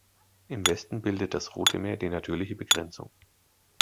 Im Westen bildet das Rote Meer die natürliche Begrenzung.